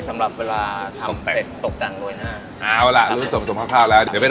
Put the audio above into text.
ทำกันเลย